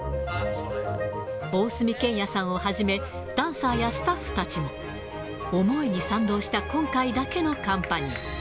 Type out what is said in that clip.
大澄賢也さんをはじめ、ダンサーやスタッフたちも、思いに賛同した今回だけのカンパニー。